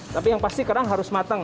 tapi yang pasti kerang harus matang